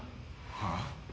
はあ？